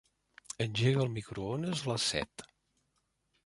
Engega el microones a les set.